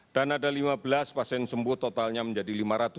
dan ada lima belas pasien sembuh totalnya menjadi lima ratus tiga puluh lima